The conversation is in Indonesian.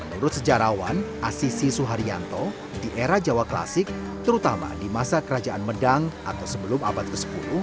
menurut sejarawan asisi suharyanto di era jawa klasik terutama di masa kerajaan medang atau sebelum abad ke sepuluh